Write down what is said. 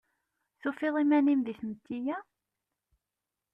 Tufiḍ iman-im di tmetti-a?